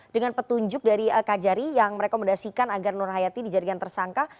dengan petunjuk dari kajari yang merekomendasikan agar nur hayati dijadikan tersangka